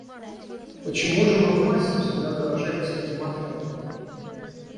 Почему же мы в массе всегда заражаемся этим аффектом?